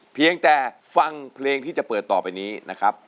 เพียงแต่ฟังเพลงที่จะเปิดต่อไปนี้นะครับ